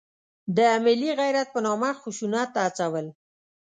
د ملي غیرت په نامه خشونت ته هڅول.